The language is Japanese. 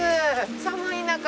寒い中。